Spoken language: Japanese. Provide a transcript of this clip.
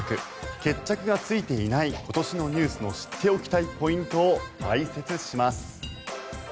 決着がついていない今年のニュースの知っておきたいポイントを解説します。